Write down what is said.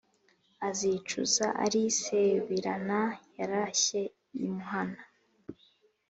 azicuza ari sebirana yarashye i muhana